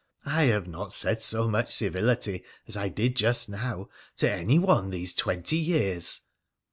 I have not said so much civility as I did just now to anyone this twenty years